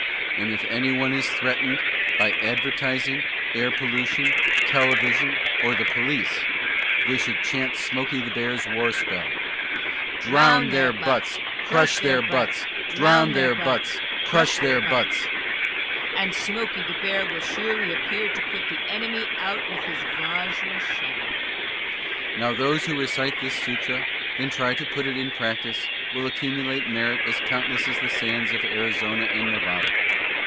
And if anyone is threatened by advertising, air pollution, television, or the police, they should chant SMOKEY THE BEAR'S WAR SPELL: DROWN THEIR BUTTS CRUSH THEIR BUTTS DROWN THEIR BUTTS CRUSH THEIR BUTTS And SMOKEY THE BEAR will surely appear to put the enemy out with his vajra shovel. Now those who recite this Sutra and then try to put it in practice willl accumulate merit as countless as the sands of Arizona and Nevada.